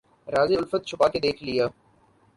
راز الفت چھپا کے دیکھ لیا